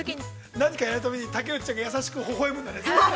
◆何かやるべき竹内ちゃんが優しくほほえむんですね。